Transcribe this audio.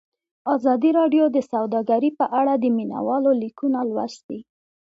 ازادي راډیو د سوداګري په اړه د مینه والو لیکونه لوستي.